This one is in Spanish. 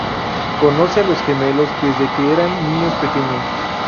Conoce a los gemelos desde que eran niños pequeños.